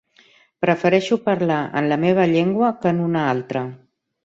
Prefereixo parlar en la meva llengua que en una altra.